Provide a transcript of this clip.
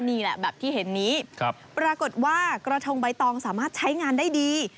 นี่แหละแบบที่เห็นนี้ปรากฏว่ากระทงใบตองสามารถใช้งานได้ดี